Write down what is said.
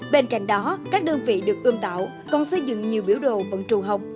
bên cạnh đó các đơn vị được ươm tạo còn xây dựng nhiều biểu đồ vận trù học